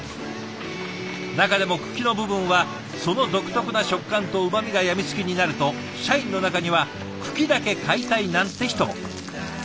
中でも茎の部分はその独特な食感とうまみが病みつきになると社員の中には茎だけ買いたいなんて人も。